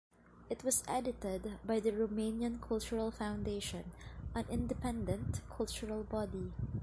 It was edited by the Romanian Cultural Foundation, an independent culture body.